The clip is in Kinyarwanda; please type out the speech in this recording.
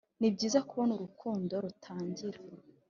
nibyiza kubona urukundo rutangira